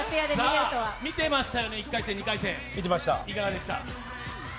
見てましたよね、１回戦、２回戦、いがかでした？